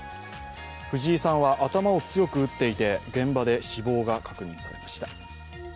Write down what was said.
藤井さんは頭を強く打っていて、現場で死亡が確認されました。